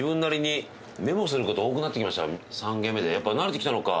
３軒目でやっぱ慣れてきたのか。